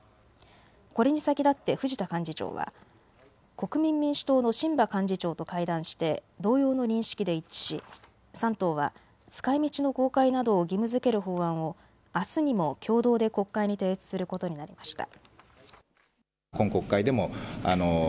これに先立って藤田幹事長は国民民主党の榛葉幹事長と会談して同様の認識で一致し３党は使いみちの公開などを義務づける法案をあすにも共同で国会に提出することになりました。